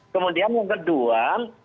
kemudian yang kedua